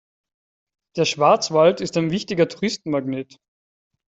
Der Schwarzwald ist ein wichtiger Touristenmagnet.